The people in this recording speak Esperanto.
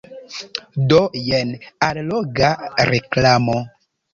Do jen alloga reklamo.